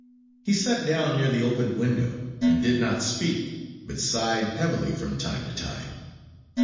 He sat down near the open window, and did not speak, but sighed heavily from time to time.